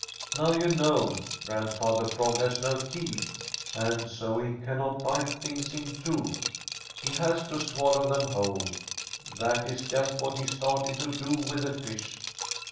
Now you know Grandfather Frog has no teeth, and so he cannot bite things in two. He has to swallow them whole. That is just what he started to do with the fish.